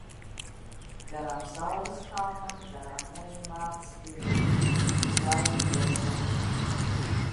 Garām saules kalnam, garām Meža mātes pilij. Uz Laimīgo zemi.